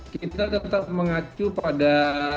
kita tetap mengacu pada